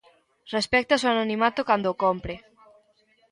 Respectas o anonimato cando cómpre.